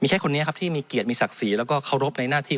แค่คนนี้ครับที่มีเกียรติมีศักดิ์ศรีแล้วก็เคารพในหน้าที่